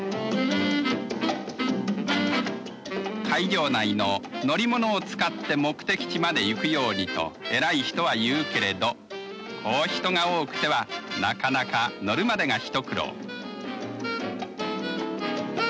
会場内の乗り物を使って目的地まで行くようにと偉い人は言うけれどこう人が多くてはなかなか乗るまでがひと苦労。